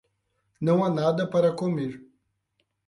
Não há nada para comer.